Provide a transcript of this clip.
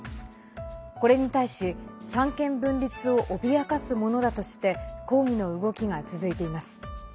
これに対し三権分立を脅かすものだとして抗議の動きが続いています。